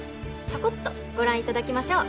ちょこっとご覧いただきましょう。